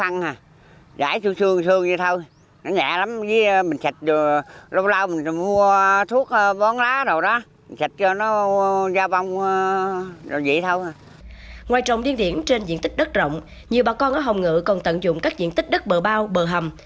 ngoài trồng điên điển trên diện tích đất rộng nhiều bà con ở hồng ngự còn tận dụng các diện tích đất bờ bao bờ hầm